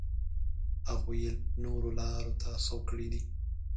هغوی یې نورو لارو ته سوق کړي دي.